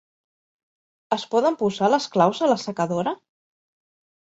Es poden posar les claus a l'assecadora?